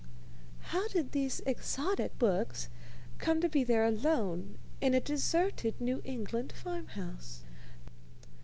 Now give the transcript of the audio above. How did these exotic books come to be there alone in a deserted New England farm house?